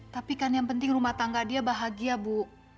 tapi kan yang penting rumah tangga dia bahagia bu